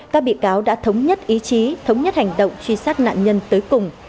các bị cáo đã thống nhất ý chí thống nhất hành động truy sát nạn nhân tới cùng